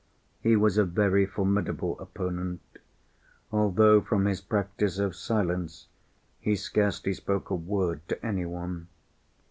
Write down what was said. He was a very formidable opponent, although from his practice of silence he scarcely spoke a word to any one.